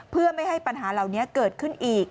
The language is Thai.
เพื่อไม่ให้ปัญหาเหล่านี้เกิดขึ้นอีก